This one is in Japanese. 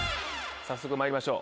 まいりましょう！